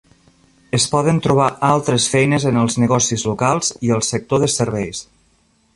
Es poden trobar altres feines en els negocis locals i el sector de serveis.